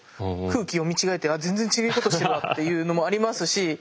空気読み違えてあっ全然違うことしてるわっていうのもありますし。